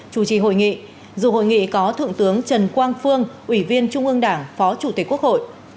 chủ trì hội nghị dù hội nghị có thượng tướng trần quang phương ủy viên trung ương đảng phó chủ tịch quốc hội